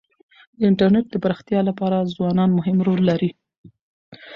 د انټرنيټ د پراختیا لپاره ځوانان مهم رول لري.